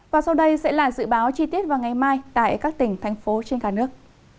và sau đây sẽ là dự báo chi tiết vào ngày mai tại các tỉnh thành phố trên cả nước